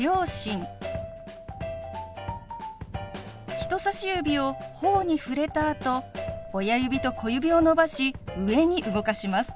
人さし指をほおに触れたあと親指と小指を伸ばし上に動かします。